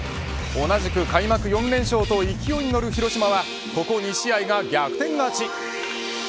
同じく開幕４連勝と勢いに乗る広島はここ２試合が逆転勝ち。